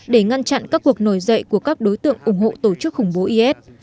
để ngăn chặn các cuộc nổi dậy của các đối tượng ủng hộ tổ chức khủng bố is